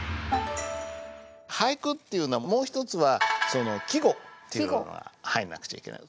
俳句っていうのはもう一つは季語っていうのが入んなくちゃいけない。